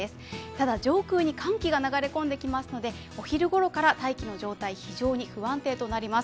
ただ上空に寒気が流れ込んできますのでお昼ごろから大気の状態、非常に不安定となります。